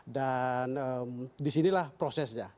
dan disinilah prosesnya